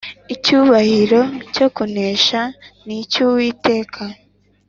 Icyubahiro cyo kunesha ni icyuwiteka